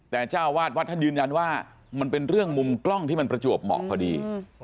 แต่เจ้าวาดวัดท่านยืนยันว่ามันเป็นเรื่องมุมกล้องที่มันประจวบเหมาะพอดี